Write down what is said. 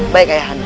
baik ayah anda